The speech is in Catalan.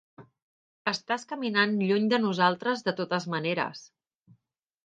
Estàs caminant lluny de nosaltres de totes maneres...